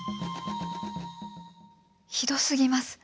ひどすぎます！